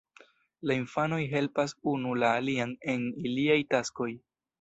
La infanoj helpas unu la alian en iliaj taskoj.